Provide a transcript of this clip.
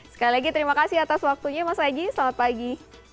sekali lagi terima kasih atas waktunya mas aji selamat pagi